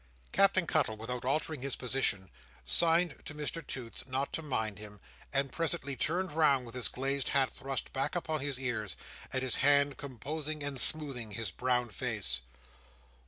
Captain Cuttle, without altering his position, signed to Mr Toots not to mind him; and presently turned round, with his glazed hat thrust back upon his ears, and his hand composing and smoothing his brown face.